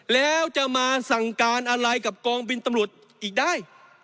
แล้วจะมาสั่งการอะไรกับกองบินตำรวจอีกได้